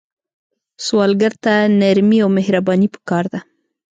سوالګر ته نرمي او مهرباني پکار ده